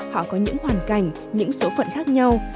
họ có những hoàn cảnh những số phận khác nhau